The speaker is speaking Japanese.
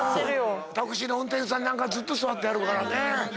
タクシーの運転手さんなんかずっと座ってはるからね。